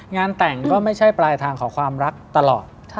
งานแต่งก็ไม่ใช่ปลายทางของความรักตลอด